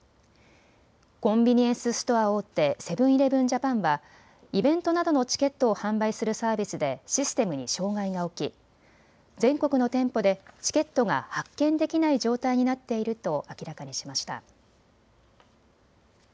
コンビニエンスストア大手、セブン‐イレブン・ジャパンはイベントなどのチケットを販売するサービスでシステムに障害が起き全国の店舗でチケットが発券できない状態になっていると明らかにしました。